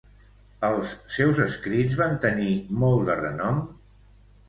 Els seus escrits van tenir molt de renom?